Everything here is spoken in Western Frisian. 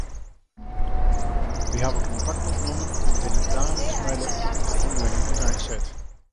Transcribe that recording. Wy hawwe kontakt opnommen en binne daliks mei de ûnderhannelingen úteinset.